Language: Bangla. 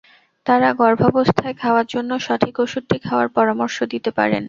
তারা গর্ভাবস্থায় খাওয়ার জন্য সঠিক ওষুধটি খাওয়ার পরামর্শ দিতে পারেন।